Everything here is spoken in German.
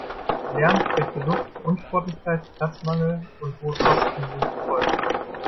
Lärm, schlechte Luft, Unsportlichkeit, Platzmangel und hohe Kosten sind die Folgen.